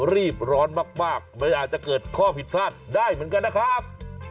รีบร้อนมากมันอาจจะเกิดข้อผิดพลาดได้เหมือนกันนะครับ